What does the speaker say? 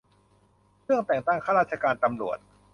เรื่อง แต่งตั้งข้าราชการตำรวจ